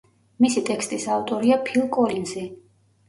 მისი ტექსტის ავტორია ფილ კოლინზი.